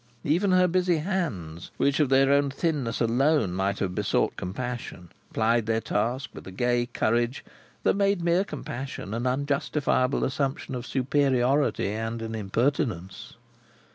Even her busy hands, which of their own thinness alone might have besought compassion, plied their task with a gay courage that made mere compassion an unjustifiable assumption of superiority, and an impertinence.